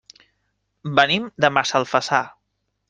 Venim de Massalfassar.